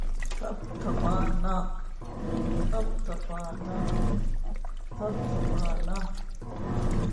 محلول کا ارتکاز